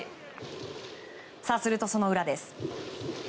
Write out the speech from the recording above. すると、その裏です。